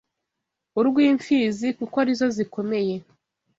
urw’imfizi kuko arizo zikomeye